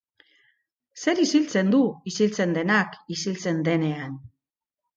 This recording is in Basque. Zer ixiltzen du ixiltzen denak ixiltzen denean?